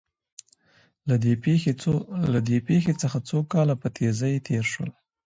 له دې پېښې څخه څو کاله په تېزۍ تېر شول